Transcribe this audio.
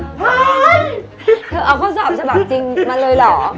เธอเอาข้อสอบชะพจริงมาเลยเหรอ